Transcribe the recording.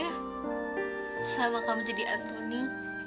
susah emang kamu jadi antoni